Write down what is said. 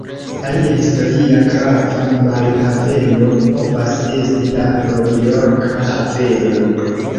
Alia historia grava marhaveno povas esti la Novjorka Haveno.